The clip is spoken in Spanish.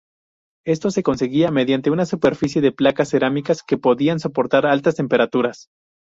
Esto se conseguía mediante una superficie de placas cerámicas que podían soportar altas temperaturas.